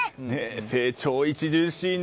成長、著しいね。